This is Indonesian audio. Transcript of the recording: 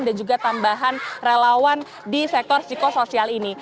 dan juga tambahan relawan di sektor psikosoial ini